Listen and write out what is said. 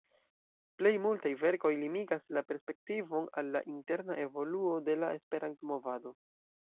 Plej multaj verkoj limigas la perspektivon al la interna evoluo de la Esperanto-movado.